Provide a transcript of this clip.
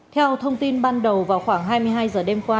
theo thông tin ban đầu vào khoảng hai mươi hai giờ đêm qua